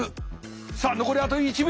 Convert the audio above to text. さあ残りあと１秒！